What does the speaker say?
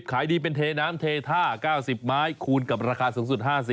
ขายดีเป็นเทน้ำเทท่า๙๐ไม้คูณกับราคาสูงสุด๕๐